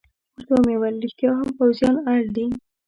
ورته مې وویل: رښتیا هم، پوځیان اړ دي.